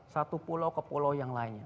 satu pulau ke pulau yang lainnya